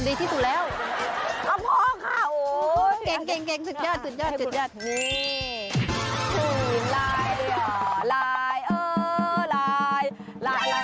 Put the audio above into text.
อ่ะดูแม่ทำกับดาวทำ